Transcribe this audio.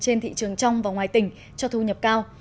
trên thị trường trong và ngoài tỉnh cho thu nhập cao